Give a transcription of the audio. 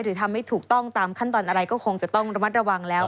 ทำให้ถูกต้องตามขั้นตอนอะไรก็คงจะต้องระมัดระวังแล้ว